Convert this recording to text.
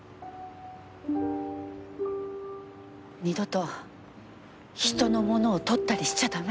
二度と人のものを取ったりしちゃ駄目。